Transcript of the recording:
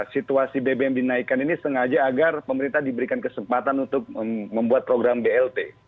situasi bbm dinaikkan ini sengaja agar pemerintah diberikan kesempatan untuk membuat program blt